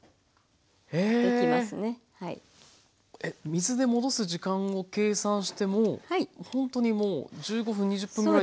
水で戻す時間を計算してもほんとにもう１５分２０分ぐらいで。